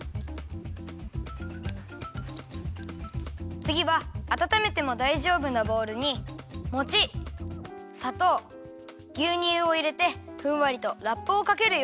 つぎはあたためてもだいじょうぶなボウルにもちさとうぎゅうにゅうをいれてふんわりとラップをかけるよ。